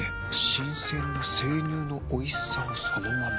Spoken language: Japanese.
新鮮な生乳のおいしさをそのまま。